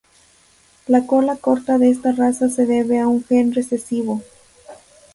La cola corta de esta raza se debe a un gen recesivo.